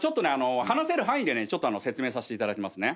話せる範囲で説明させていただきますね。